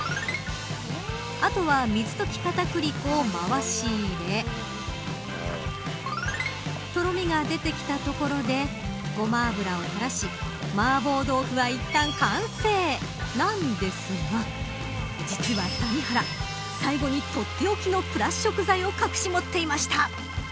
あとは水溶き片栗粉を回し入れとろみが出てきたところでごま油をたらしマーボー豆腐はいったん完成なんですが実は谷原最後にとっておきのプラス食材を隠し持っていました。